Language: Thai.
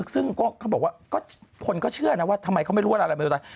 ซึ่งเขาบอกว่าคนก็เชื่อนะว่าทำไมเขาไม่รู้ว่าอะไรเป็นตาย